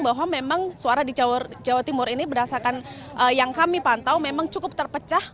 bahwa memang suara di jawa timur ini berdasarkan yang kami pantau memang cukup terpecah